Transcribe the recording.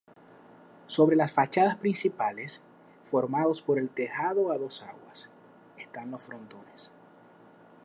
Sobre las fachadas principales, formados por el tejado a dos aguas, están los frontones.